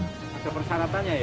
masa persaratannya ya